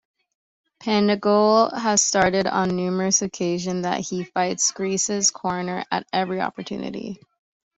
Pangalos has stated on numerous occasions that he fights Greece's corner at every opportunity.